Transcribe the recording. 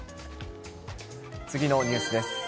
次のニュースです。